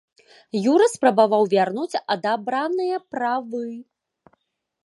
Юрый спрабаваў вярнуць адабраныя правы.